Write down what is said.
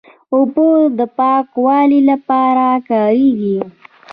اوبه د پاکوالي لپاره کارېږي.